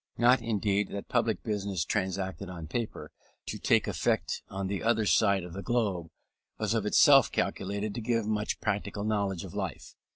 Not, indeed, that public business transacted on paper, to take effect on the other side of the globe, was of itself calculated to give much practical knowledge of life.